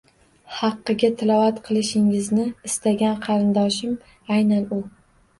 Haqqiga tilovat qilishingizni istagan qarindoshim aynan u.